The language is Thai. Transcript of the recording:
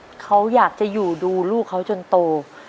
แล้วเขาก็พยายามที่จะช่วยเหลือครอบครัวทำมาหากินด้วย